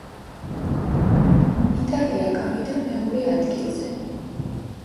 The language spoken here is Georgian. იტალია გავიდა მეორე ადგილზე.